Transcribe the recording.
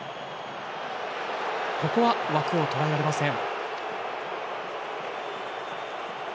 ここは枠を捉えられません。